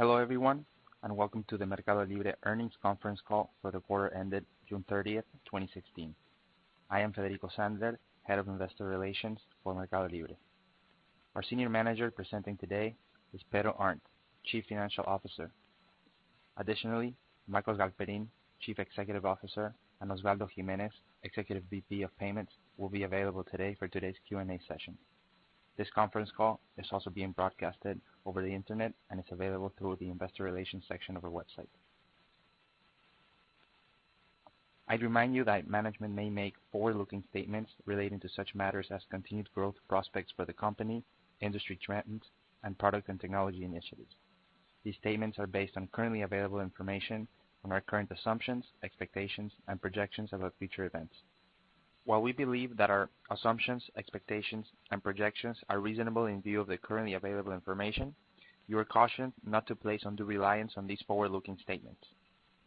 Hello, everyone, welcome to the MercadoLibre earnings conference call for the quarter ended June 30th, 2016. I am Federico Sandler, Head of Investor Relations for MercadoLibre. Our senior manager presenting today is Pedro Arnt, Chief Financial Officer. Additionally, Marcos Galperin, Chief Executive Officer, and Osvaldo Gimenez, Executive VP of Payments, will be available today for today's Q&A session. This conference call is also being broadcast over the internet and is available through the investor relations section of our website. I'd remind you that management may make forward-looking statements relating to such matters as continued growth prospects for the company, industry trends, and product and technology initiatives. These statements are based on currently available information from our current assumptions, expectations, and projections about future events. While we believe that our assumptions, expectations, and projections are reasonable in view of the currently available information, you are cautioned not to place undue reliance on these forward-looking statements.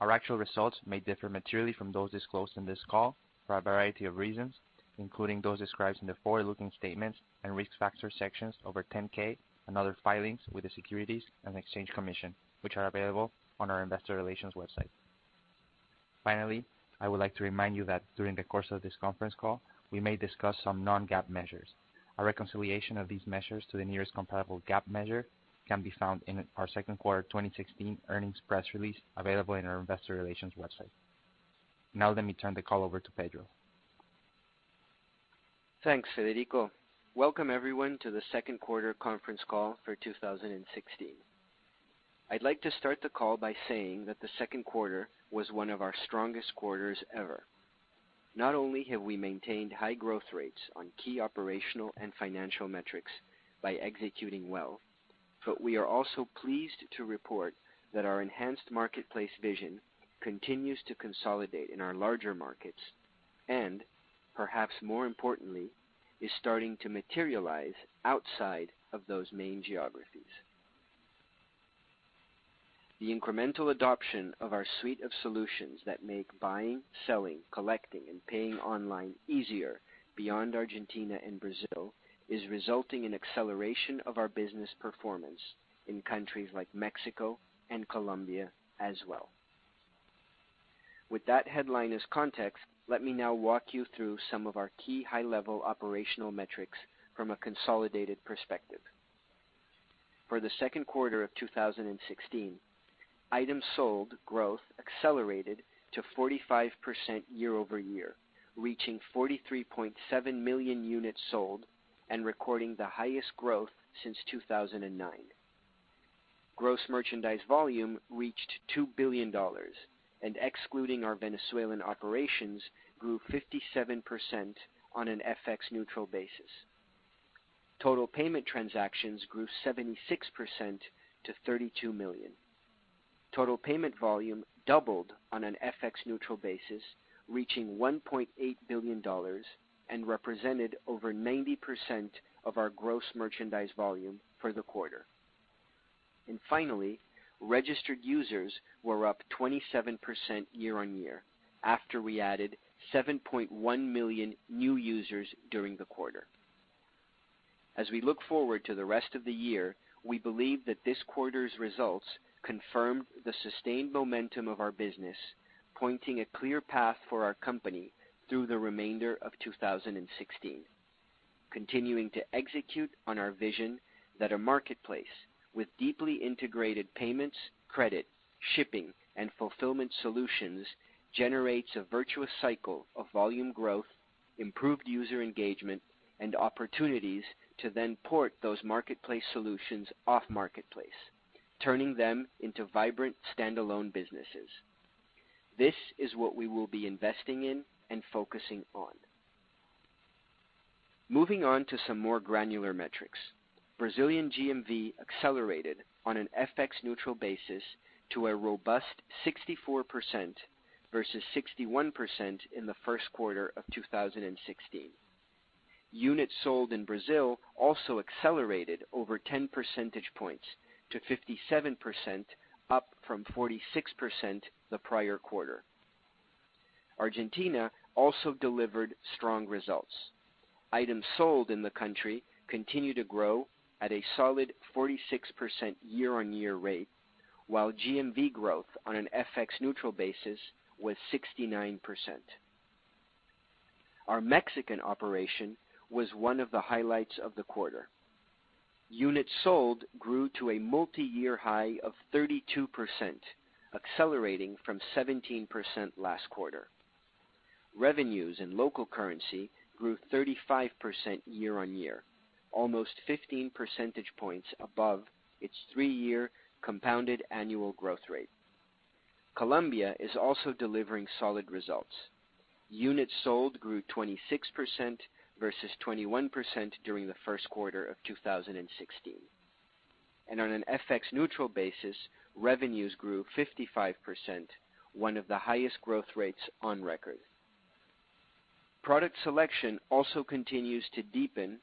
Our actual results may differ materially from those disclosed in this call for a variety of reasons, including those described in the forward-looking statements and risk factor sections of our 10-K and other filings with the Securities and Exchange Commission, which are available on our investor relations website. Let me turn the call over to Pedro. Thanks, Federico. Welcome, everyone to the second quarter conference call for 2016. I'd like to start the call by saying that the second quarter was one of our strongest quarters ever. Not only have we maintained high growth rates on key operational and financial metrics by executing well, we are also pleased to report that our enhanced marketplace vision continues to consolidate in our larger markets, and perhaps more importantly, is starting to materialize outside of those main geographies. The incremental adoption of our suite of solutions that make buying, selling, collecting, and paying online easier beyond Argentina and Brazil is resulting in acceleration of our business performance in countries like Mexico and Colombia as well. With that headline as context, let me now walk you through some of our key high-level operational metrics from a consolidated perspective. For the second quarter of 2016, items sold growth accelerated to 45% year-over-year, reaching 43.7 million units sold and recording the highest growth since 2009. Gross Merchandise Volume reached $2 billion, and excluding our Venezuelan operations, grew 57% on an FX neutral basis. Total Payment Transactions grew 76% to 32 million. Total Payment Volume doubled on an FX neutral basis, reaching $1.8 billion and represented over 90% of our Gross Merchandise Volume for the quarter. Finally, registered users were up 27% year-on-year after we added 7.1 million new users during the quarter. As we look forward to the rest of the year, we believe that this quarter's results confirmed the sustained momentum of our business, pointing a clear path for our company through the remainder of 2016, continuing to execute on our vision that a marketplace with deeply integrated payments, credit, shipping, and fulfillment solutions generates a virtuous cycle of volume growth, improved user engagement, and opportunities to then port those marketplace solutions off marketplace, turning them into vibrant standalone businesses. This is what we will be investing in and focusing on. Moving on to some more granular metrics. Brazilian GMV accelerated on an FX neutral basis to a robust 64% versus 61% in the first quarter of 2016. Units sold in Brazil also accelerated over 10 percentage points to 57%, up from 46% the prior quarter. Argentina also delivered strong results. Items sold in the country continue to grow at a solid 46% year-on-year rate, while GMV growth on an FX neutral basis was 69%. Our Mexican operation was one of the highlights of the quarter. Units sold grew to a multiyear high of 32%, accelerating from 17% last quarter. Revenues in local currency grew 35% year-on-year, almost 15 percentage points above its three-year compounded annual growth rate. Colombia is also delivering solid results. Units sold grew 26% versus 21% during the first quarter of 2016. On an FX neutral basis, revenues grew 55%, one of the highest growth rates on record. Product selection also continues to deepen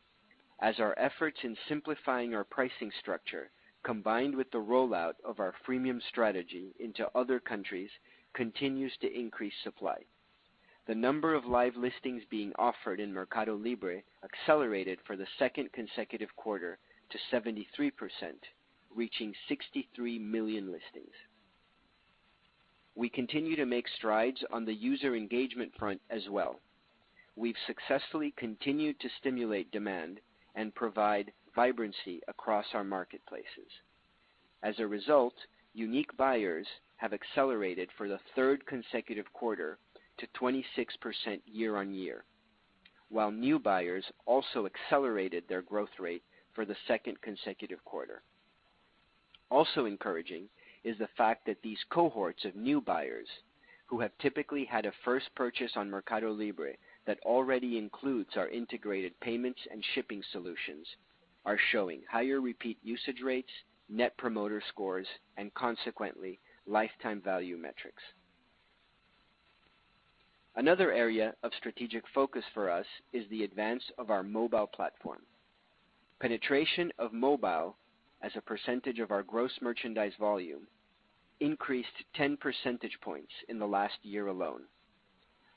as our efforts in simplifying our pricing structure, combined with the rollout of our freemium strategy into other countries, continues to increase supply. The number of live listings being offered in MercadoLibre accelerated for the second consecutive quarter to 73%, reaching 63 million listings. We continue to make strides on the user engagement front as well. We've successfully continued to stimulate demand and provide vibrancy across our marketplaces. As a result, unique buyers have accelerated for the third consecutive quarter to 26% year-on-year, while new buyers also accelerated their growth rate for the second consecutive quarter. Also encouraging is the fact that these cohorts of new buyers, who have typically had a first purchase on MercadoLibre that already includes our integrated payments and shipping solutions, are showing higher repeat usage rates, net promoter scores, and consequently, lifetime value metrics. Another area of strategic focus for us is the advance of our mobile platform. Penetration of mobile as a percentage of our gross merchandise volume increased 10 percentage points in the last year alone.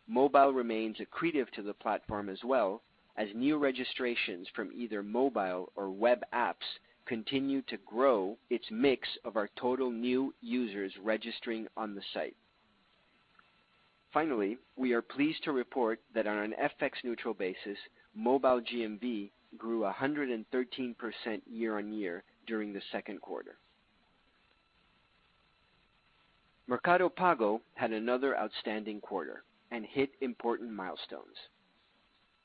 Mobile remains accretive to the platform as well, as new registrations from either mobile or web apps continue to grow its mix of our total new users registering on the site. Finally, we are pleased to report that on an FX-neutral basis, mobile GMV grew 113% year-on-year during the second quarter. Mercado Pago had another outstanding quarter and hit important milestones.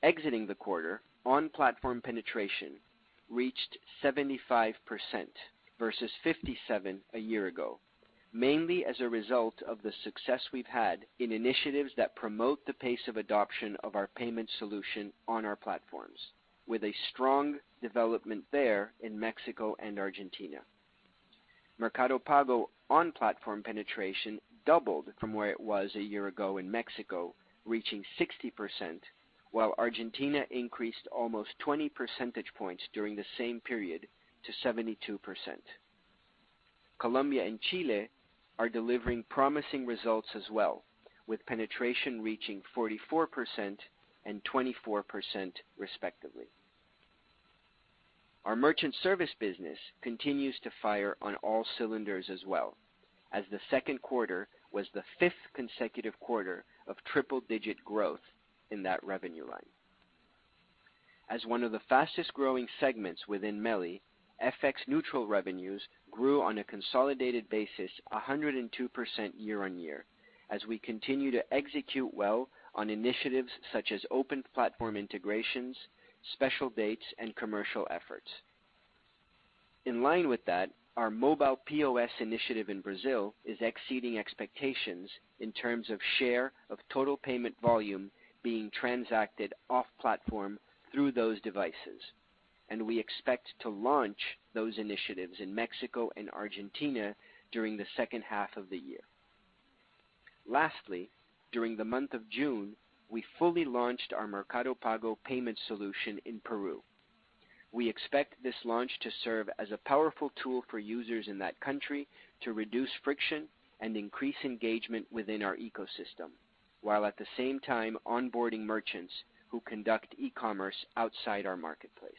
Exiting the quarter, on-platform penetration reached 75% versus 57% a year ago, mainly as a result of the success we've had in initiatives that promote the pace of adoption of our payment solution on our platforms, with a strong development there in Mexico and Argentina. Mercado Pago on-platform penetration doubled from where it was a year ago in Mexico, reaching 60%, while Argentina increased almost 20 percentage points during the same period to 72%. Colombia and Chile are delivering promising results as well, with penetration reaching 44% and 24% respectively. Our merchant service business continues to fire on all cylinders as well, as the second quarter was the fifth consecutive quarter of triple-digit growth in that revenue line. As one of the fastest-growing segments within MELI, FX-neutral revenues grew on a consolidated basis 102% year-on-year as we continue to execute well on initiatives such as open platform integrations, special dates, and commercial efforts. In line with that, our mobile POS initiative in Brazil is exceeding expectations in terms of share of total payment volume being transacted off-platform through those devices, and we expect to launch those initiatives in Mexico and Argentina during the second half of the year. Lastly, during the month of June, we fully launched our Mercado Pago payment solution in Peru. We expect this launch to serve as a powerful tool for users in that country to reduce friction and increase engagement within our ecosystem, while at the same time onboarding merchants who conduct e-commerce outside our marketplace.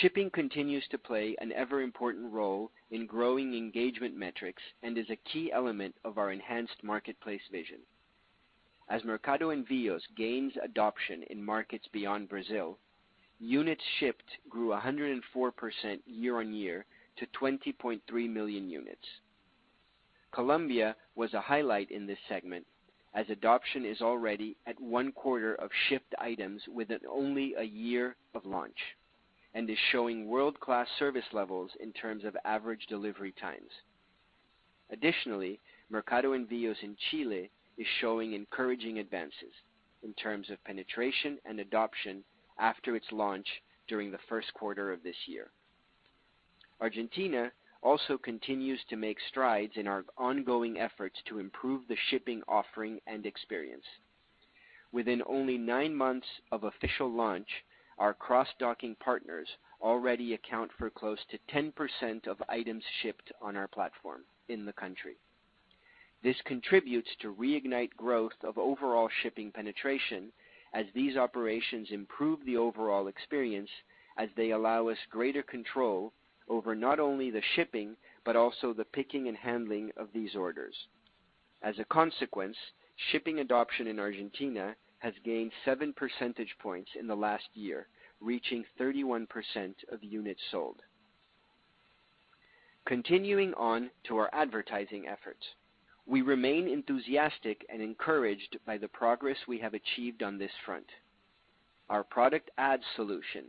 Shipping continues to play an ever-important role in growing engagement metrics and is a key element of our enhanced marketplace vision. As Mercado Envíos gains adoption in markets beyond Brazil, units shipped grew 104% year-on-year to 20.3 million units. Colombia was a highlight in this segment, as adoption is already at one quarter of shipped items within only a year of launch and is showing world-class service levels in terms of average delivery times. Additionally, Mercado Envíos in Chile is showing encouraging advances in terms of penetration and adoption after its launch during the first quarter of this year. Argentina also continues to make strides in our ongoing efforts to improve the shipping offering and experience. Within only nine months of official launch, our cross-docking partners already account for close to 10% of items shipped on our platform in the country. This contributes to reignite growth of overall shipping penetration as these operations improve the overall experience as they allow us greater control over not only the shipping, but also the picking and handling of these orders. As a consequence, shipping adoption in Argentina has gained seven percentage points in the last year, reaching 31% of units sold. Continuing on to our advertising efforts, we remain enthusiastic and encouraged by the progress we have achieved on this front. Our product ad solution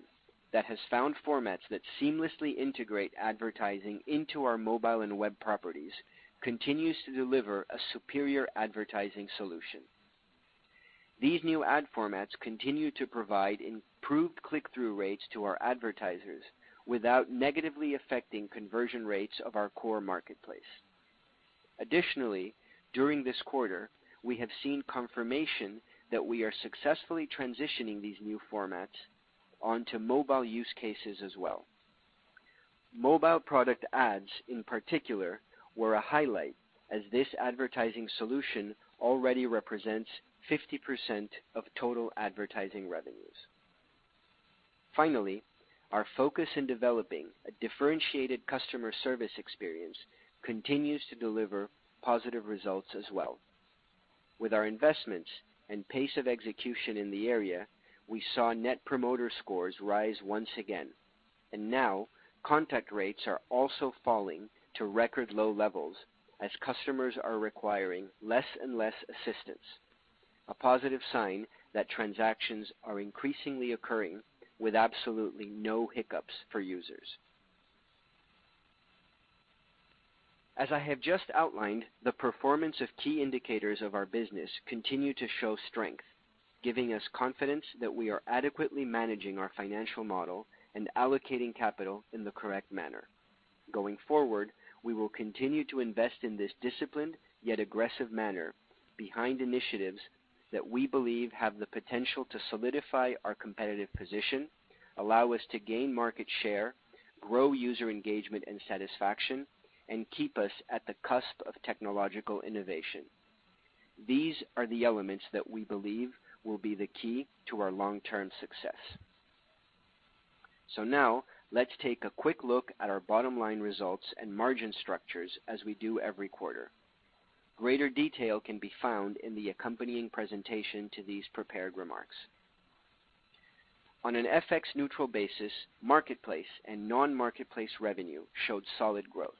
that has found formats that seamlessly integrate advertising into our mobile and web properties continues to deliver a superior advertising solution. These new ad formats continue to provide improved click-through rates to our advertisers without negatively affecting conversion rates of our core marketplace. Additionally, during this quarter, we have seen confirmation that we are successfully transitioning these new formats onto mobile use cases as well. Mobile product ads, in particular, were a highlight as this advertising solution already represents 50% of total advertising revenues. Finally, our focus in developing a differentiated customer service experience continues to deliver positive results as well. With our investments and pace of execution in the area, we saw net promoter scores rise once again, and now contact rates are also falling to record low levels as customers are requiring less and less assistance, a positive sign that transactions are increasingly occurring with absolutely no hiccups for users. As I have just outlined, the performance of key indicators of our business continue to show strength, giving us confidence that we are adequately managing our financial model and allocating capital in the correct manner. Going forward, we will continue to invest in this disciplined yet aggressive manner behind initiatives that we believe have the potential to solidify our competitive position, allow us to gain market share, grow user engagement and satisfaction, and keep us at the cusp of technological innovation. These are the elements that we believe will be the key to our long-term success. Now let's take a quick look at our bottom-line results and margin structures as we do every quarter. Greater detail can be found in the accompanying presentation to these prepared remarks. On an FX-neutral basis, marketplace and non-marketplace revenue showed solid growth.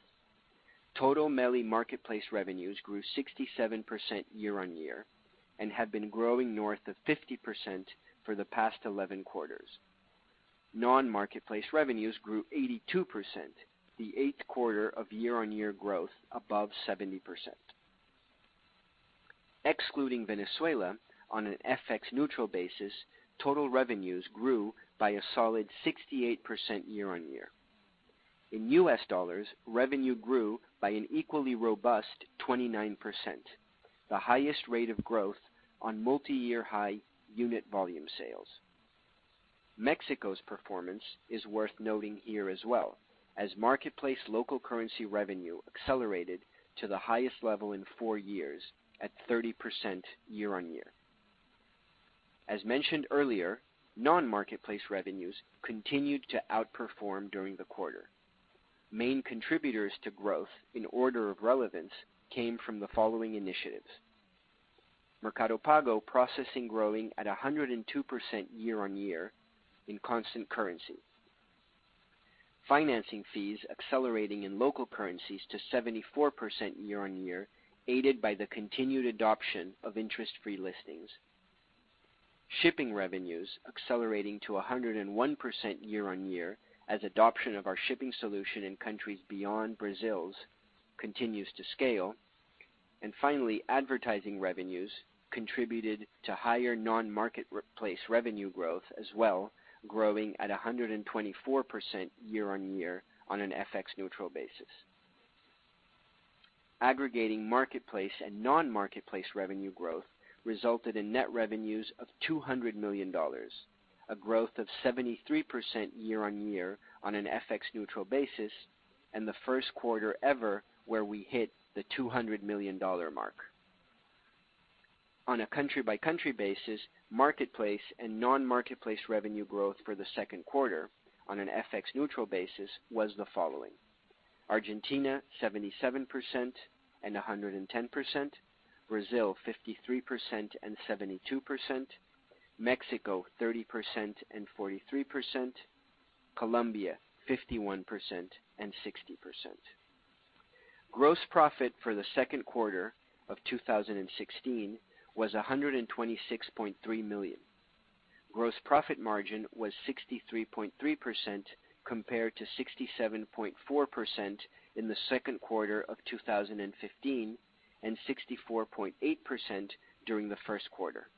Total MELI marketplace revenues grew 67% year-on-year and have been growing north of 50% for the past 11 quarters. Non-marketplace revenues grew 82%, the eighth quarter of year-on-year growth above 70%. Excluding Venezuela, on an FX-neutral basis, total revenues grew by a solid 68% year-on-year. In US dollars, revenue grew by an equally robust 29%, the highest rate of growth on multiyear high unit volume sales. Mexico's performance is worth noting here as well, as marketplace local currency revenue accelerated to the highest level in four years at 30% year-on-year. As mentioned earlier, non-marketplace revenues continued to outperform during the quarter. Main contributors to growth in order of relevance came from the following initiatives. Mercado Pago processing growing at 102% year-on-year in constant currency. Financing fees accelerating in local currencies to 74% year-on-year, aided by the continued adoption of interest-free listings. Shipping revenues accelerating to 101% year-on-year as adoption of our shipping solution in countries beyond Brazil's continues to scale. Finally, advertising revenues contributed to higher non-marketplace revenue growth as well, growing at 124% year-on-year on an FX-neutral basis. Aggregating marketplace and non-marketplace revenue growth resulted in net revenues of $200 million, a growth of 73% year-on-year on an FX-neutral basis, and the first quarter ever where we hit the $200 million mark. On a country-by-country basis, marketplace and non-marketplace revenue growth for the second quarter on an FX-neutral basis was the following. Argentina, 77% and 110%. Brazil, 53% and 72%. Mexico, 30% and 43%. Colombia, 51% and 60%. Gross profit for the second quarter of 2016 was $126.3 million. Gross profit margin was 63.3% compared to 67.4% in the second quarter of 2015 and 64.8% during the first quarter.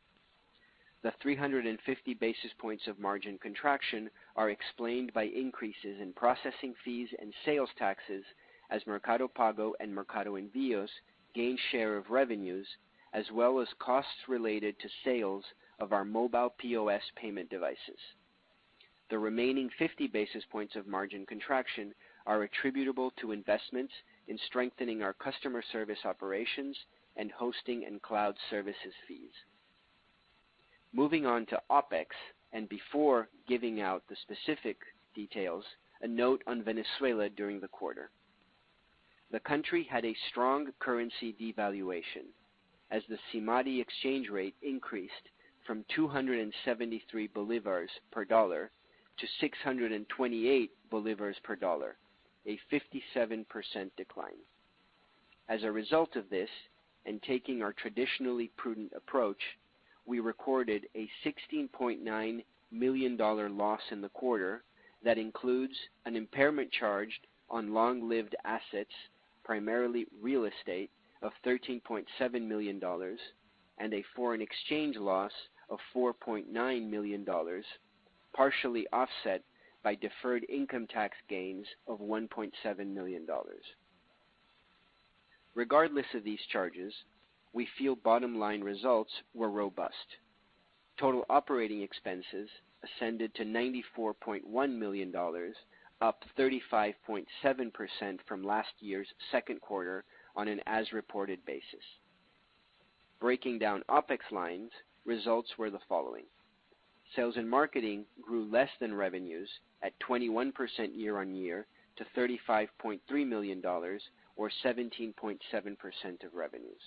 The 350 basis points of margin contraction are explained by increases in processing fees and sales taxes as Mercado Pago and Mercado Envíos gain share of revenues, as well as costs related to sales of our mobile POS payment devices. The remaining 50 basis points of margin contraction are attributable to investments in strengthening our customer service operations and hosting and cloud services fees. Moving on to OpEx and before giving out the specific details, a note on Venezuela during the quarter. The country had a strong currency devaluation as the SIMADI exchange rate increased from 273 bolivars per dollar to 628 bolivars per dollar, a 57% decline. As a result of this, and taking our traditionally prudent approach, we recorded a $16.9 million loss in the quarter. That includes an impairment charge on long-lived assets, primarily real estate, of $13.7 million, and a foreign exchange loss of $4.9 million, partially offset by deferred income tax gains of $1.7 million. Regardless of these charges, we feel bottom-line results were robust. Total operating expenses ascended to $94.1 million, up 35.7% from last year's second quarter on an as-reported basis. Breaking down OpEx lines, results were the following. Sales and marketing grew less than revenues at 21% year-on-year to $35.3 million, or 17.7% of revenues.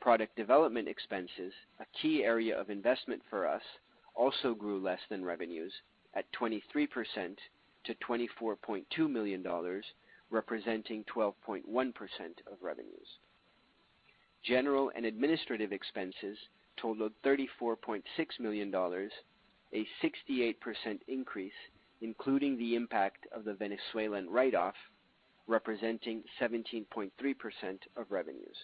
Product development expenses, a key area of investment for us, also grew less than revenues at 23% to $24.2 million, representing 12.1% of revenues. General and administrative expenses totaled $34.6 million, a 68% increase, including the impact of the Venezuelan write-off, representing 17.3% of revenues.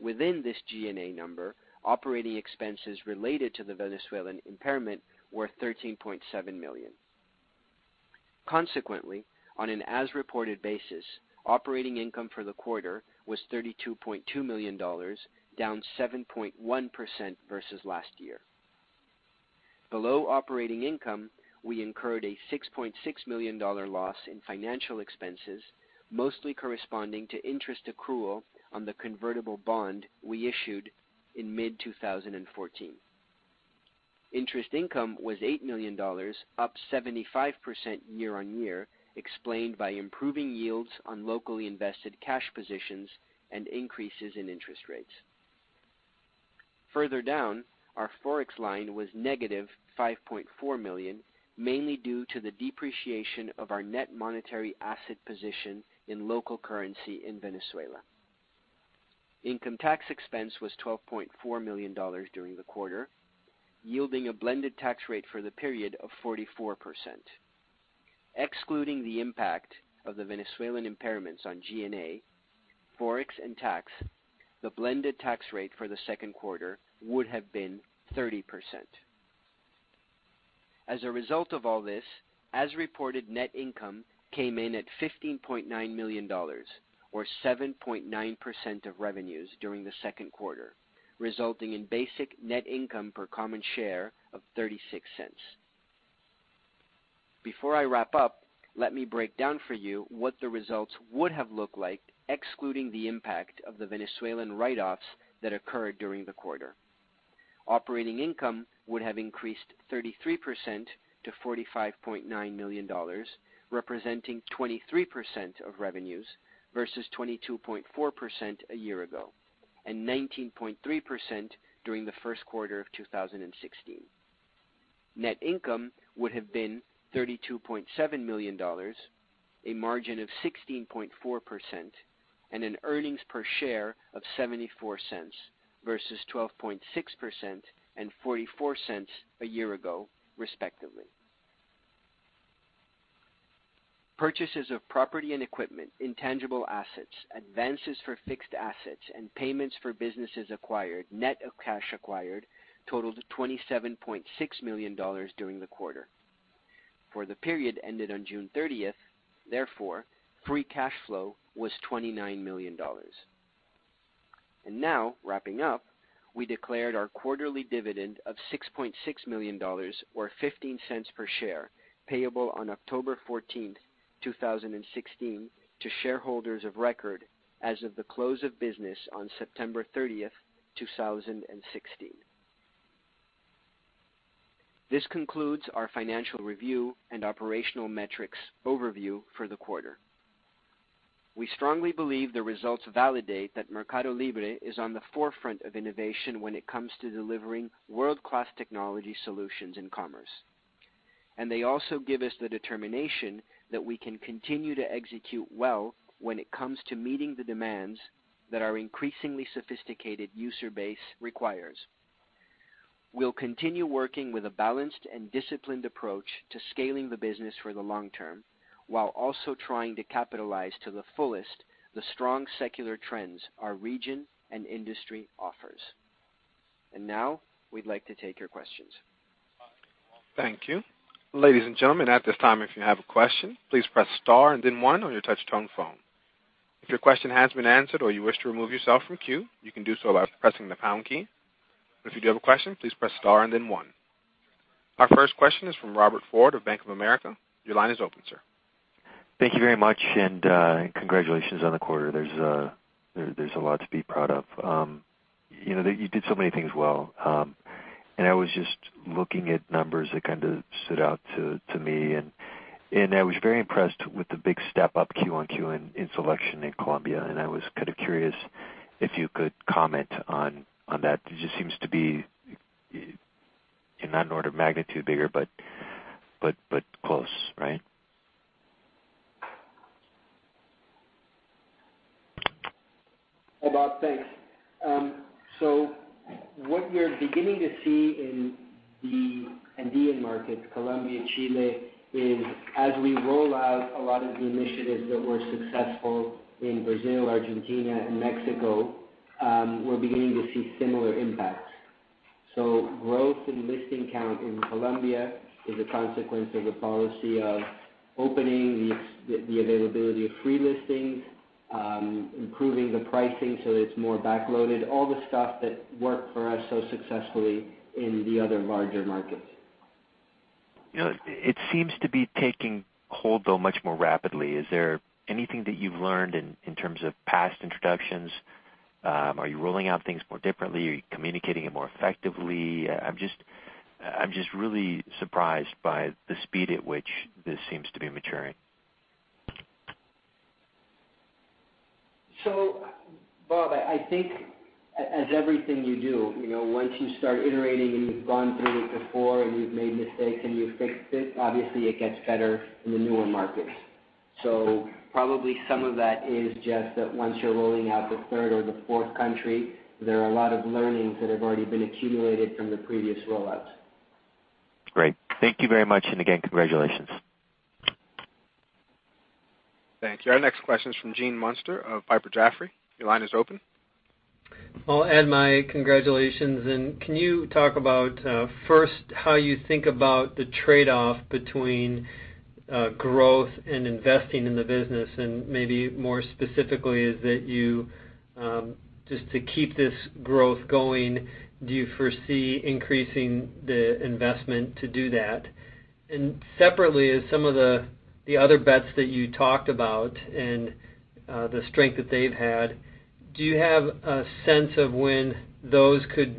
Within this G&A number, operating expenses related to the Venezuelan impairment were $13.7 million. Consequently, on an as-reported basis, operating income for the quarter was $32.2 million, down 7.1% versus last year. Below operating income, we incurred a $6.6 million loss in financial expenses, mostly corresponding to interest accrual on the convertible bond we issued in mid-2014. Interest income was $8 million, up 75% year-on-year, explained by improving yields on locally invested cash positions and increases in interest rates. Further down, our Forex line was negative $5.4 million, mainly due to the depreciation of our net monetary asset position in local currency in Venezuela. Income tax expense was $12.4 million during the quarter, yielding a blended tax rate for the period of 44%. Excluding the impact of the Venezuelan impairments on G&A, Forex and tax, the blended tax rate for the second quarter would have been 30%. As a result of all this, as-reported net income came in at $15.9 million, or 7.9% of revenues during the second quarter, resulting in basic net income per common share of $0.36. Before I wrap up, let me break down for you what the results would have looked like excluding the impact of the Venezuelan write-offs that occurred during the quarter. Operating income would have increased 33% to $45.9 million, representing 23% of revenues versus 22.4% a year ago, and 19.3% during the first quarter of 2016. Net income would have been $32.7 million, a margin of 16.4%, and an earnings per share of $0.74 versus 12.6% and $0.44 a year ago, respectively. Purchases of property and equipment, intangible assets, advances for fixed assets, and payments for businesses acquired, net of cash acquired totaled $27.6 million during the quarter. For the period ended on June 30th, therefore, free cash flow was $29 million. Now wrapping up, we declared our quarterly dividend of $6.6 million or $0.15 per share, payable on October 14th, 2016, to shareholders of record as of the close of business on September 30th, 2016. This concludes our financial review and operational metrics overview for the quarter. We strongly believe the results validate that MercadoLibre is on the forefront of innovation when it comes to delivering world-class technology solutions in commerce. They also give us the determination that we can continue to execute well when it comes to meeting the demands that our increasingly sophisticated user base requires. We'll continue working with a balanced and disciplined approach to scaling the business for the long term, while also trying to capitalize to the fullest the strong secular trends our region and industry offers. Now, we'd like to take your questions. Thank you. Ladies and gentlemen, at this time, if you have a question, please press star and then one on your touch-tone phone. If your question has been answered or you wish to remove yourself from queue, you can do so by pressing the pound key. If you do have a question, please press star and then one. Our first question is from Robert Ford of Bank of America. Your line is open, sir. Thank you very much. Congratulations on the quarter. There's a lot to be proud of. You did so many things well. I was just looking at numbers that kind of stood out to me, I was very impressed with the big step-up QoQ in selection in Colombia, I was kind of curious if you could comment on that. It just seems to be, not an order of magnitude bigger, but close, right? Hi, Bob. Thanks. What we're beginning to see in the Andean markets, Colombia, Chile, is as we roll out a lot of the initiatives that were successful in Brazil, Argentina, and Mexico, we're beginning to see similar impacts growth in listing count in Colombia is a consequence of the policy of opening the availability of free listings, improving the pricing so it's more back-loaded, all the stuff that worked for us so successfully in the other larger markets. It seems to be taking hold, though, much more rapidly. Is there anything that you've learned in terms of past introductions? Are you rolling out things more differently? Are you communicating it more effectively? I'm just really surprised by the speed at which this seems to be maturing. Bob, I think as everything you do, once you start iterating and you've gone through it before and you've made mistakes and you fixed it, obviously it gets better in the newer markets. Probably some of that is just that once you're rolling out the third or the fourth country, there are a lot of learnings that have already been accumulated from the previous rollouts. Great. Thank you very much. Again, congratulations. Thank you. Our next question is from Gene Munster of Piper Jaffray. Your line is open. I'll add my congratulations. Can you talk about, first, how you think about the trade-off between growth and investing in the business, and maybe more specifically, is that just to keep this growth going, do you foresee increasing the investment to do that? Separately is some of the other bets that you talked about and the strength that they've had, do you have a sense of when those could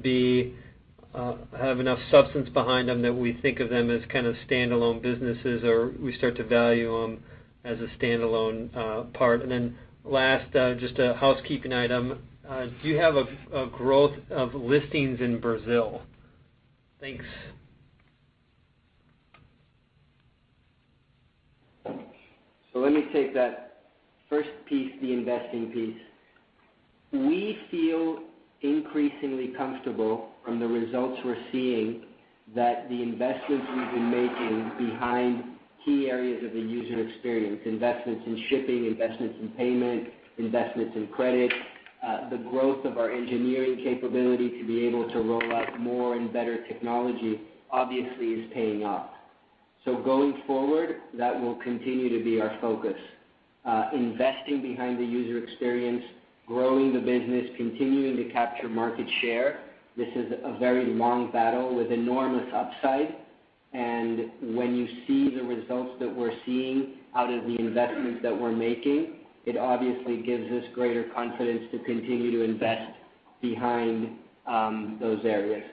have enough substance behind them that we think of them as standalone businesses, or we start to value them as a standalone part? Then last, just a housekeeping item. Do you have a growth of listings in Brazil? Thanks. Let me take that first piece, the investing piece. We feel increasingly comfortable from the results we're seeing that the investments we've been making behind key areas of the user experience, investments in shipping, investments in payment, investments in credit, the growth of our engineering capability to be able to roll out more and better technology, obviously is paying off. Going forward, that will continue to be our focus. Investing behind the user experience, growing the business, continuing to capture market share. This is a very long battle with enormous upside. When you see the results that we're seeing out of the investments that we're making, it obviously gives us greater confidence to continue to invest behind those areas.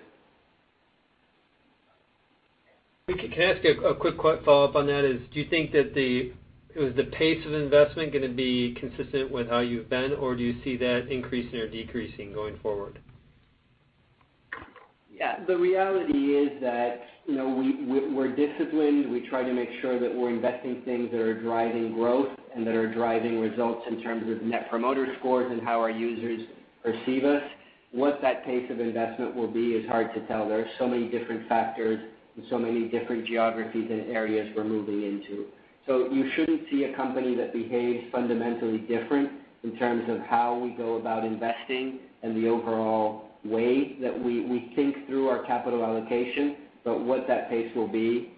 Can I ask a quick follow-up on that is, do you think that the pace of investment going to be consistent with how you've been, or do you see that increasing or decreasing going forward? Yeah. The reality is that, we're disciplined. We try to make sure that we're investing things that are driving growth and that are driving results in terms of net promoter scores and how our users perceive us. What that pace of investment will be is hard to tell. There are so many different factors and so many different geographies and areas we're moving into. You shouldn't see a company that behaves fundamentally different in terms of how we go about investing and the overall way that we think through our capital allocation. What that pace will be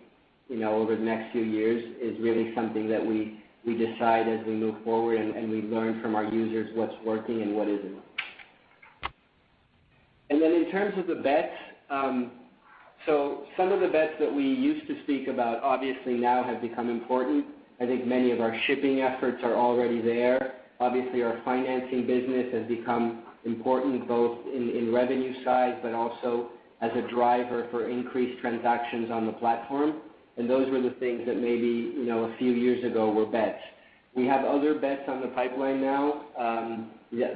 over the next few years is really something that we decide as we move forward and we learn from our users what's working and what isn't. In terms of the bets, some of the bets that we used to speak about obviously now have become important. I think many of our shipping efforts are already there. Obviously, our financing business has become important both in revenue side, but also as a driver for increased transactions on the platform. Those were the things that maybe a few years ago were bets. We have other bets on the pipeline now.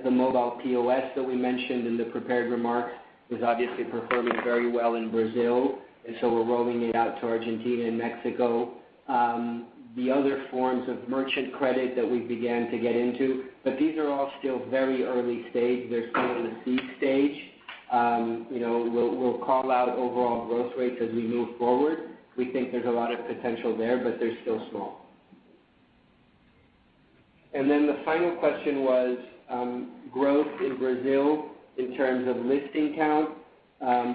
The mobile POS that we mentioned in the prepared remarks is obviously performing very well in Brazil, we're rolling it out to Argentina and Mexico. The other forms of merchant credit that we began to get into, these are all still very early stage. They're still in the seed stage. We'll call out overall growth rates as we move forward. We think there's a lot of potential there, but they're still small. The final question was, growth in Brazil in terms of listing count.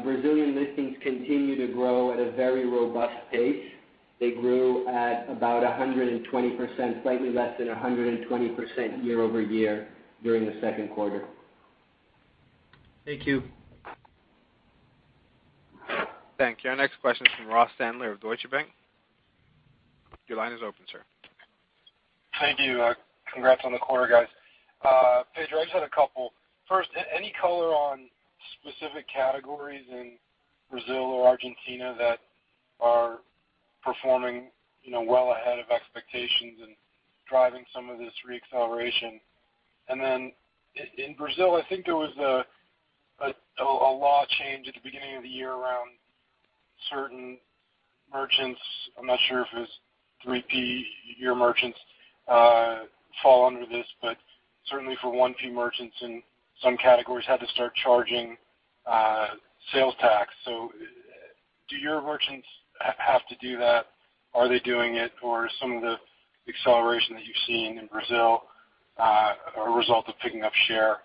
Brazilian listings continue to grow at a very robust pace. They grew at about 120%, slightly less than 120% year-over-year during the second quarter. Thank you. Thank you. Our next question is from Ross Sandler of Deutsche Bank. Your line is open, sir. Thank you. Congrats on the quarter, guys. Pedro, I just had a couple. First, any color on specific categories in Brazil or Argentina that are performing well ahead of expectations and driving some of this re-acceleration? In Brazil, I think there was a law change at the beginning of the year around certain merchants. I'm not sure if it was 3P merchants fall under this, but certainly for 1P merchants in some categories had to start charging sales tax. Do your merchants have to do that? Are they doing it? Or is some of the acceleration that you've seen in Brazil a result of picking up share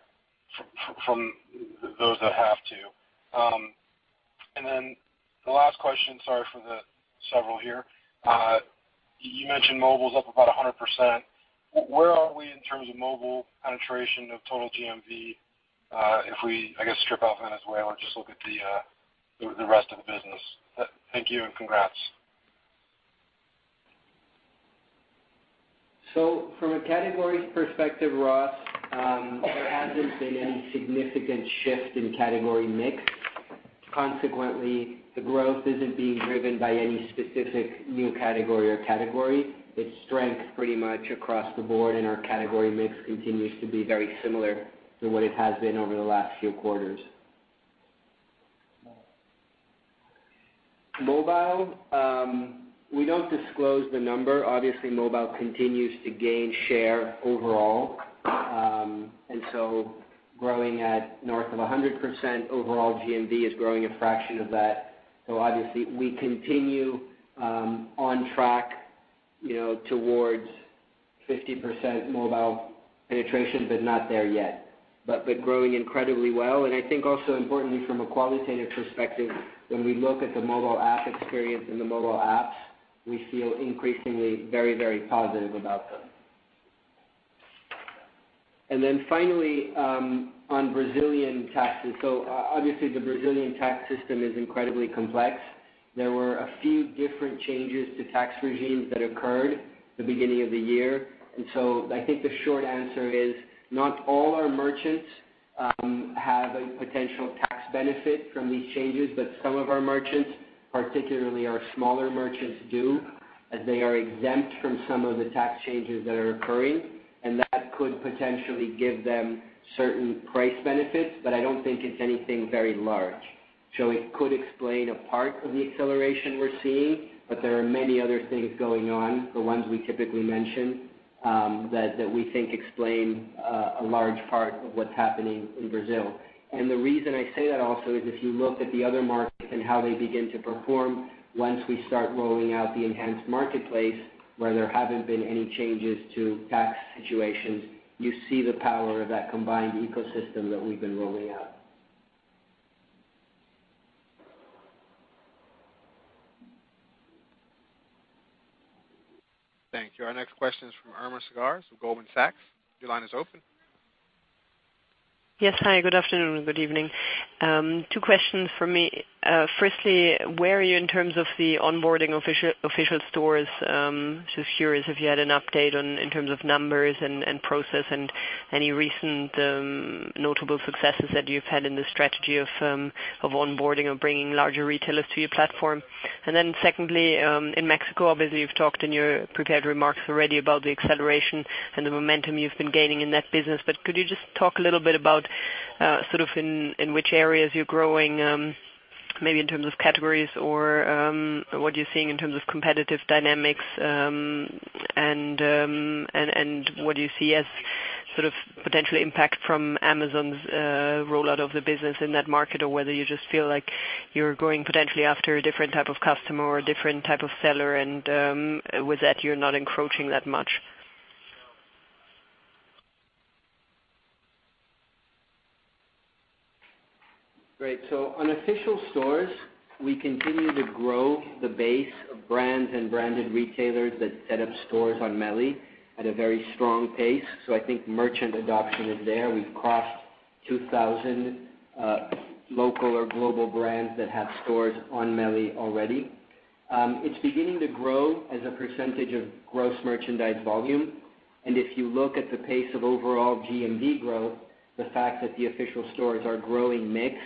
from those that have to? The last question, sorry for the several here. You mentioned mobile's up about 100%. Where are we in terms of mobile penetration of total GMV? If we, I guess, strip out Venezuela and just look at the rest of the business. Thank you, and congrats. From a categories perspective, Ross, there hasn't been any significant shift in category mix. Consequently, the growth isn't being driven by any specific new category or category. It's strength pretty much across the board, and our category mix continues to be very similar to what it has been over the last few quarters. Mobile, we don't disclose the number. Obviously, mobile continues to gain share overall. Growing at north of 100%, overall GMV is growing a fraction of that. Obviously, we continue on track towards 50% mobile penetration, but not there yet. Been growing incredibly well, and I think also importantly from a qualitative perspective, when we look at the mobile app experience and the mobile apps, we feel increasingly very positive about them. Finally, on Brazilian taxes. Obviously the Brazilian tax system is incredibly complex. There were a few different changes to tax regimes that occurred the beginning of the year. I think the short answer is not all our merchants have a potential tax benefit from these changes, but some of our merchants, particularly our smaller merchants, do, as they are exempt from some of the tax changes that are occurring. That could potentially give them certain price benefits. I don't think it's anything very large. It could explain a part of the acceleration we're seeing, but there are many other things going on, the ones we typically mention, that we think explain a large part of what's happening in Brazil. The reason I say that also is if you look at the other markets and how they begin to perform, once we start rolling out the enhanced marketplace, where there haven't been any changes to tax situations, you see the power of that combined ecosystem that we've been rolling out. Thank you. Our next question is from Irma Sgarz of Goldman Sachs. Your line is open. Yes. Hi, good afternoon. Good evening. Two questions from me. Firstly, where are you in terms of the onboarding of official stores? Just curious if you had an update in terms of numbers and process, and any recent notable successes that you've had in the strategy of onboarding or bringing larger retailers to your platform. Secondly, in Mexico, obviously, you've talked in your prepared remarks already about the acceleration and the momentum you've been gaining in that business. Could you just talk a little bit about in which areas you're growing, maybe in terms of categories or what you're seeing in terms of competitive dynamics, and what do you see as potential impact from Amazon's rollout of the business in that market? Whether you just feel like you're going potentially after a different type of customer or a different type of seller, and with that, you're not encroaching that much. Great. On official stores, we continue to grow the base of brands and branded retailers that set up stores on MELI at a very strong pace. I think merchant adoption is there. We've crossed 2,000 local or global brands that have stores on MELI already. It's beginning to grow as a percentage of gross merchandise volume. If you look at the pace of overall GMV growth, the fact that the official stores are growing mix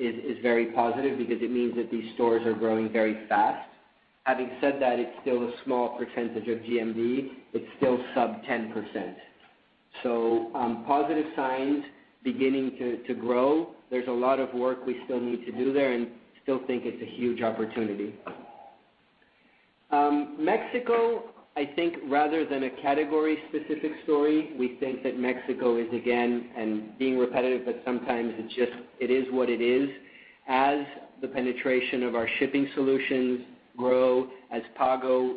is very positive because it means that these stores are growing very fast. Having said that, it's still a small percentage of GMV. It's still sub 10%. Positive signs beginning to grow. There's a lot of work we still need to do there and still think it's a huge opportunity. Mexico, I think rather than a category-specific story, we think that Mexico is, again, being repetitive, but sometimes it is what it is. As the penetration of our shipping solutions grow, as Pago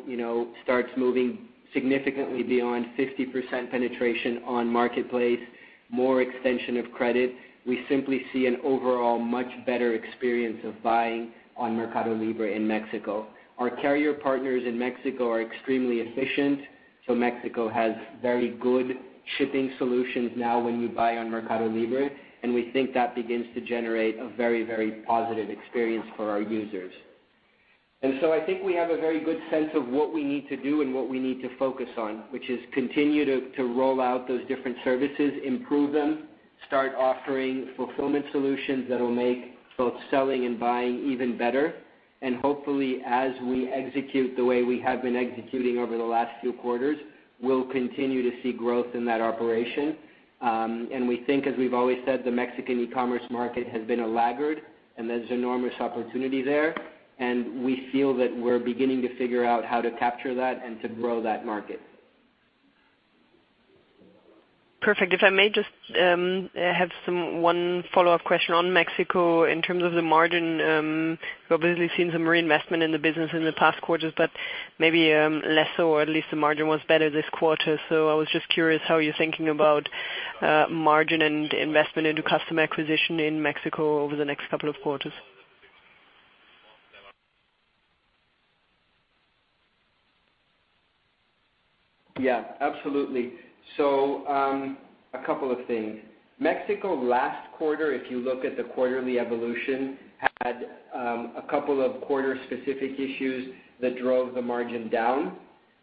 starts moving significantly beyond 50% penetration on marketplace, more extension of credit, we simply see an overall much better experience of buying on MercadoLibre in Mexico. Our carrier partners in Mexico are extremely efficient. Mexico has very good shipping solutions now when you buy on MercadoLibre, and we think that begins to generate a very positive experience for our users. I think we have a very good sense of what we need to do and what we need to focus on, which is continue to roll out those different services, improve them, start offering fulfillment solutions that'll make both selling and buying even better. Hopefully, as we execute the way we have been executing over the last few quarters, we'll continue to see growth in that operation. We think, as we've always said, the Mexican e-commerce market has been a laggard, and there's enormous opportunity there, and we feel that we're beginning to figure out how to capture that and to grow that market. Perfect. If I may just have one follow-up question on Mexico in terms of the margin. We've obviously seen some reinvestment in the business in the past quarters, but maybe less so or at least the margin was better this quarter. I was just curious, how you're thinking about margin and investment into customer acquisition in Mexico over the next couple of quarters? Yeah, absolutely. A couple of things. Mexico, last quarter, if you look at the quarterly evolution, had a couple of quarter-specific issues that drove the margin down.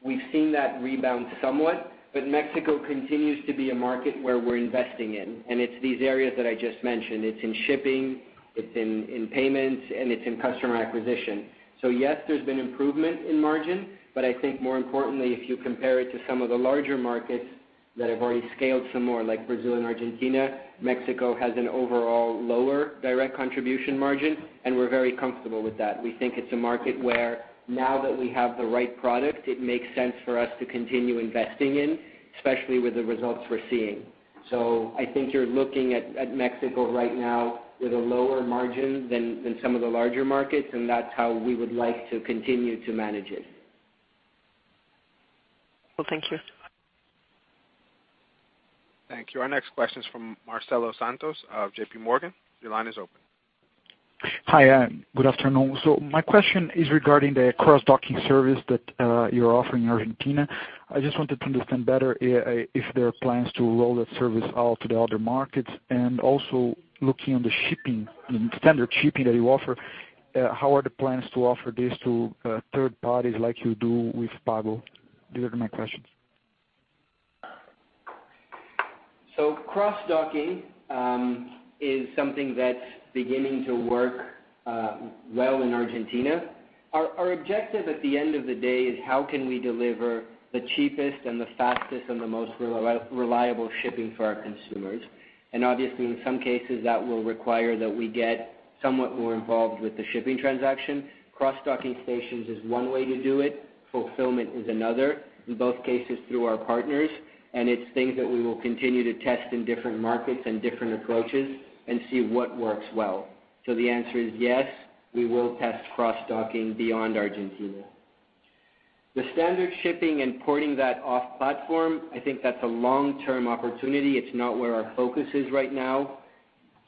We've seen that rebound somewhat, but Mexico continues to be a market where we're investing in, and it's these areas that I just mentioned. It's in shipping, it's in payments, and it's in customer acquisition. Yes, there's been improvement in margin, but I think more importantly, if you compare it to some of the larger markets that have already scaled some more, like Brazil and Argentina, Mexico has an overall lower direct contribution margin, and we're very comfortable with that. We think it's a market where now that we have the right product, it makes sense for us to continue investing in, especially with the results we're seeing. I think you're looking at Mexico right now with a lower margin than some of the larger markets, and that's how we would like to continue to manage it. Thank you. Thank you. Our next question is from Marcelo Santos of JP Morgan. Your line is open. Hi, good afternoon. My question is regarding the cross-docking service that you're offering in Argentina. I just wanted to understand better if there are plans to roll that service out to the other markets. Also looking on the shipping, the standard shipping that you offer, how are the plans to offer this to third parties like you do with Pago? These are my questions. Cross-docking is something that's beginning to work well in Argentina. Our objective at the end of the day is how can we deliver the cheapest and the fastest and the most reliable shipping for our consumers. Obviously, in some cases, that will require that we get somewhat more involved with the shipping transaction. Cross-docking stations is one way to do it. Fulfillment is another. In both cases, through our partners. It's things that we will continue to test in different markets and different approaches and see what works well. The answer is yes, we will test cross-docking beyond Argentina. The standard shipping and porting that off-platform, I think that's a long-term opportunity. It's not where our focus is right now.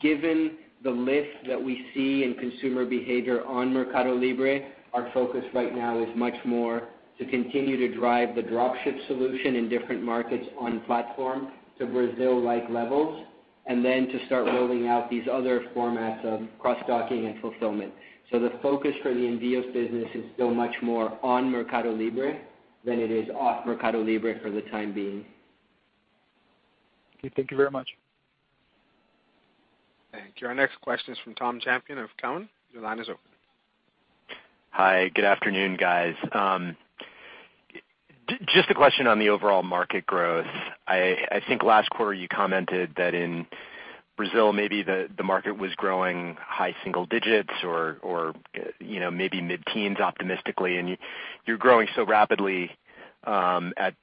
Given the lift that we see in consumer behavior on MercadoLibre, our focus right now is much more to continue to drive the drop ship solution in different markets on platform to Brazil-like levels, to start rolling out these other formats of cross-docking and fulfillment. The focus for the Envios business is still much more on MercadoLibre than it is off MercadoLibre for the time being. Okay. Thank you very much. Thank you. Our next question is from Tom Champion of Cowen. Your line is open. Hi. Good afternoon, guys. Just a question on the overall market growth. I think last quarter you commented that in Brazil, maybe the market was growing high single digits or maybe mid-teens optimistically, and you're growing so rapidly at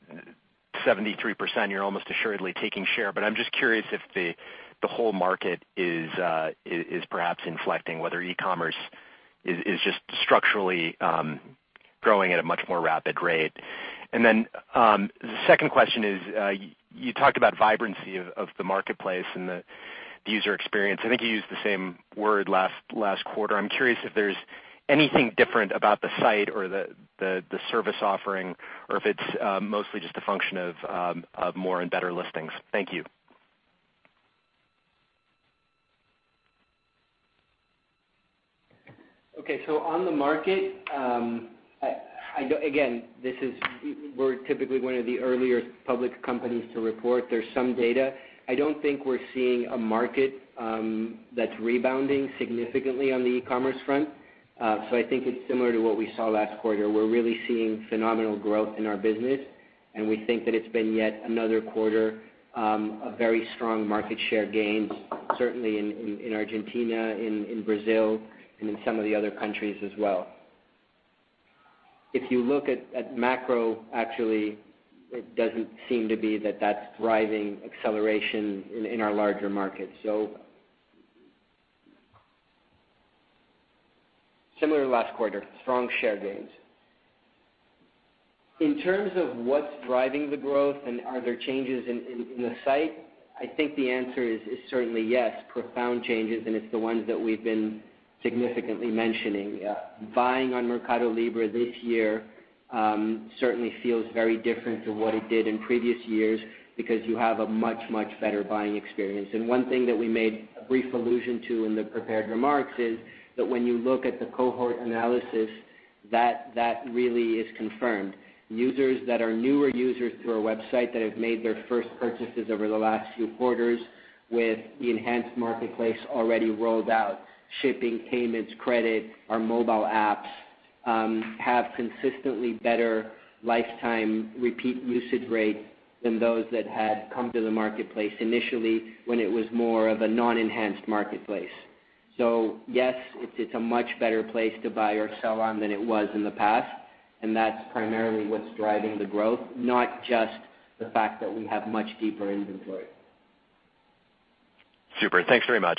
73%, you're almost assuredly taking share. I'm just curious if the whole market is perhaps inflecting, whether e-commerce is just structurally growing at a much more rapid rate. The second question is, you talked about vibrancy of the marketplace and the user experience. I think you used the same word last quarter. I'm curious if there's anything different about the site or the service offering, or if it's mostly just a function of more and better listings. Thank you. Okay. On the market, again, we're typically one of the earlier public companies to report. There's some data. I don't think we're seeing a market that's rebounding significantly on the e-commerce front. I think it's similar to what we saw last quarter. We're really seeing phenomenal growth in our business, and we think that it's been yet another quarter of very strong market share gains, certainly in Argentina, in Brazil, and in some of the other countries as well. If you look at macro, actually, it doesn't seem to be that that's driving acceleration in our larger markets. Similar to last quarter, strong share gains. In terms of what's driving the growth and are there changes in the site, I think the answer is certainly yes, profound changes, and it's the ones that we've been significantly mentioning. Buying on MercadoLibre this year certainly feels very different to what it did in previous years because you have a much, much better buying experience. One thing that we made a brief allusion to in the prepared remarks is that when you look at the cohort analysis, that really is confirmed. Users that are newer users to our website that have made their first purchases over the last few quarters with the enhanced marketplace already rolled out, shipping, payments, credit, our mobile apps, have consistently better lifetime repeat usage rate than those that had come to the marketplace initially when it was more of a non-enhanced marketplace. Yes, it's a much better place to buy or sell on than it was in the past, and that's primarily what's driving the growth, not just the fact that we have much deeper inventory. Super. Thanks very much.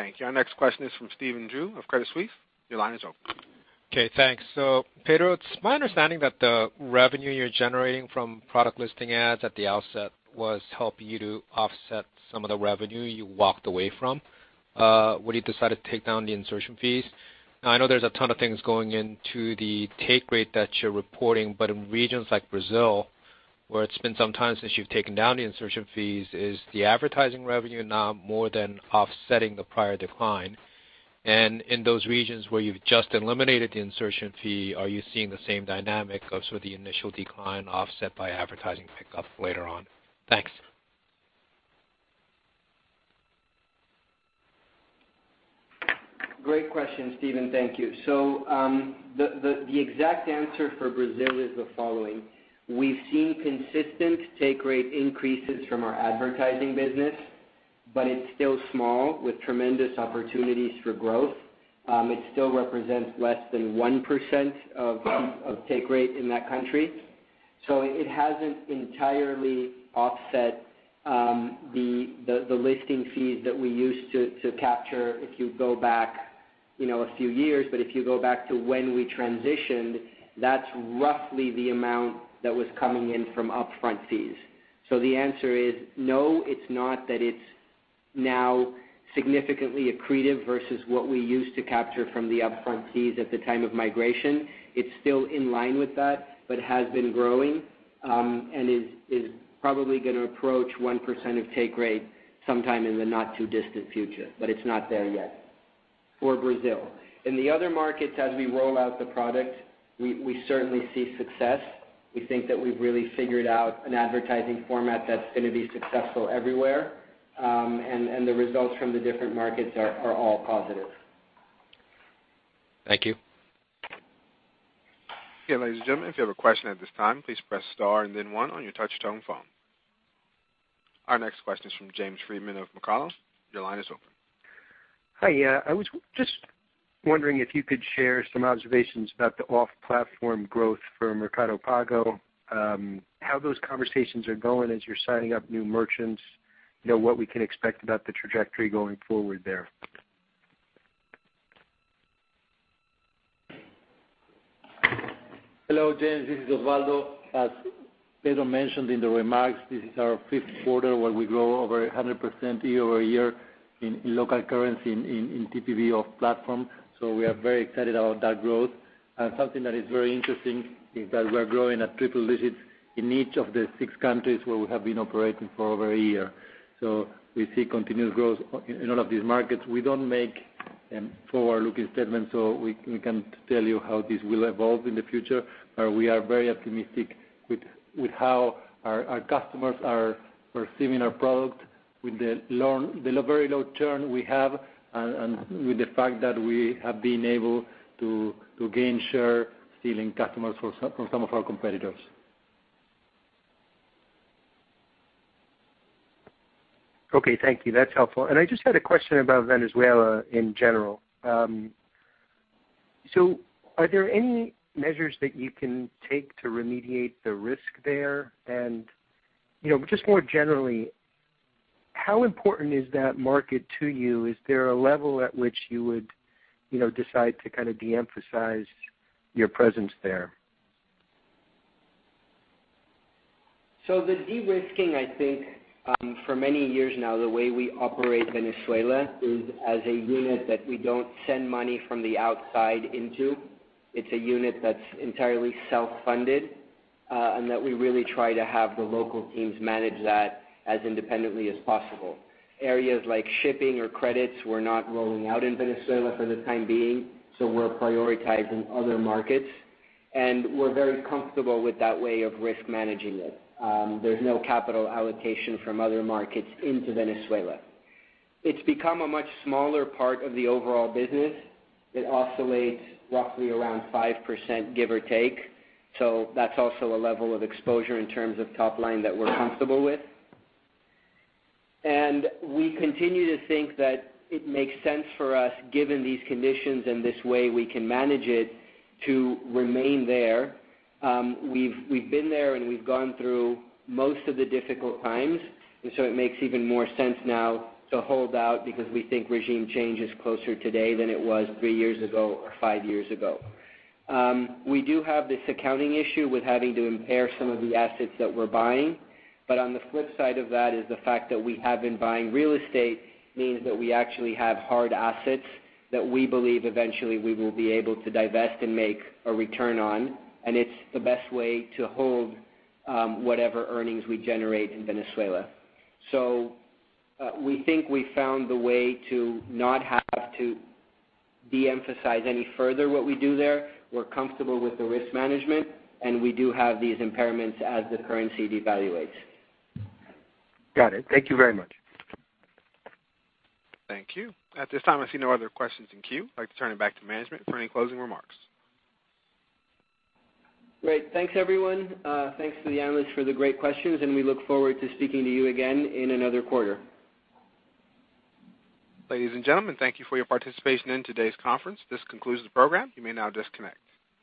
Thank you. Our next question is from Stephen Ju of Credit Suisse. Your line is open. Okay, thanks. Pedro, it's my understanding that the revenue you're generating from product listing ads at the outset was helping you to offset some of the revenue you walked away from when you decided to take down the insertion fees. Now, I know there's a ton of things going into the take rate that you're reporting, but in regions like Brazil, where it's been some time since you've taken down the insertion fees, is the advertising revenue now more than offsetting the prior decline? In those regions where you've just eliminated the insertion fee, are you seeing the same dynamic of sort of the initial decline offset by advertising pickup later on? Thanks. Great question, Stephen. Thank you. The exact answer for Brazil is the following. We've seen consistent take rate increases from our advertising business, but it's still small with tremendous opportunities for growth. It still represents less than 1% of take rate in that country. It hasn't entirely offset the listing fees that we used to capture, if you go back a few years. If you go back to when we transitioned, that's roughly the amount that was coming in from upfront fees. The answer is no, it's not that it's now significantly accretive versus what we used to capture from the upfront fees at the time of migration. It's still in line with that, but has been growing, and is probably going to approach 1% of take rate sometime in the not too distant future. It's not there yet for Brazil. In the other markets, as we roll out the product, we certainly see success. We think that we've really figured out an advertising format that's going to be successful everywhere. The results from the different markets are all positive. Thank you. Ladies and gentlemen, if you have a question at this time, please press star and then one on your touch-tone phone. Our next question is from James Friedman of Susquehanna. Your line is open. Hi, I was just wondering if you could share some observations about the off-platform growth for Mercado Pago, how those conversations are going as you're signing up new merchants, what we can expect about the trajectory going forward there. Hello, James. This is Osvaldo. As Pedro mentioned in the remarks, this is our fifth quarter where we grow over 100% year-over-year in local currency in TPV off-platform. We are very excited about that growth. Something that is very interesting is that we are growing at triple digits in each of the six countries where we have been operating for over a year. We see continuous growth in all of these markets. We don't make forward-looking statements, so we can't tell you how this will evolve in the future. We are very optimistic with how our customers are receiving our product with the very low churn we have and with the fact that we have been able to gain share, stealing customers from some of our competitors. Okay, thank you. That's helpful. I just had a question about Venezuela in general. Are there any measures that you can take to remediate the risk there? Just more generally, how important is that market to you? Is there a level at which you would decide to kind of de-emphasize your presence there? The de-risking, I think, for many years now, the way we operate Venezuela is as a unit that we don't send money from the outside into. It's a unit that's entirely self-funded, and that we really try to have the local teams manage that as independently as possible. Areas like shipping or credits, we're not rolling out in Venezuela for the time being, so we're prioritizing other markets, and we're very comfortable with that way of risk-managing it. There's no capital allocation from other markets into Venezuela. It's become a much smaller part of the overall business. It oscillates roughly around 5%, give or take. That's also a level of exposure in terms of top-line that we're comfortable with. We continue to think that it makes sense for us, given these conditions and this way we can manage it, to remain there. We've been there, we've gone through most of the difficult times, it makes even more sense now to hold out because we think regime change is closer today than it was three years ago or five years ago. We do have this accounting issue with having to impair some of the assets that we're buying. On the flip side of that is the fact that we have been buying real estate means that we actually have hard assets that we believe eventually we will be able to divest and make a return on, it's the best way to hold whatever earnings we generate in Venezuela. We think we found the way to not have to de-emphasize any further what we do there. We're comfortable with the risk management, we do have these impairments as the currency devaluates. Got it. Thank you very much. Thank you. At this time, I see no other questions in queue. I'd like to turn it back to management for any closing remarks. Great. Thanks, everyone. Thanks to the analysts for the great questions, we look forward to speaking to you again in another quarter. Ladies and gentlemen, thank you for your participation in today's conference. This concludes the program. You may now disconnect.